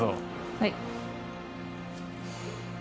はい